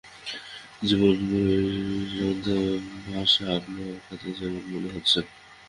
জীবনী গ্রন্থের ভাষাটা আপনার কাছে কেমন মনে হচ্ছে?